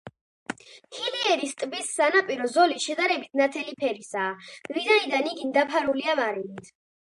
ჰილიერის ტბის სანაპირო ზოლი შედარებით ნათელი ფერისაა, ვინაიდან იგი დაფარულია მარილით.